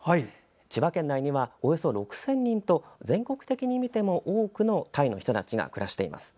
千葉県内にはおよそ６０００人と全国的に見ても多くのタイの人たちが暮らしています。